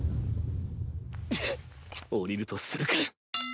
チッ降りるとするか。